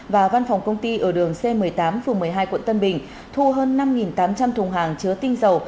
và văn phòng công ty ở đường c một mươi tám phường một mươi hai quận tân bình thu hơn năm tám trăm linh thùng hàng chứa tinh dầu